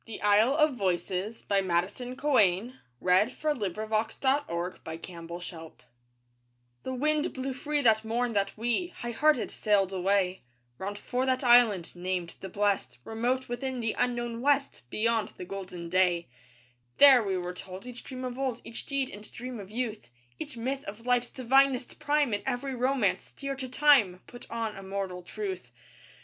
And the Future, shadowy sheeted, Turned and pointed towards the East. THE ISLE OF VOICES The wind blew free that morn that we, High hearted, sailed away; Bound for that Island named the Blest, Remote within the unknown West, Beyond the golden day. There, we were told, each dream of old, Each deed and dream of youth, Each myth of life's divinest prime, And every romance, dear to time, Put on immortal truth.